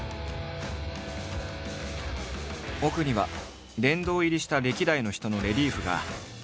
奥には殿堂入りした歴代の人のレリーフがずらりと並んでいる。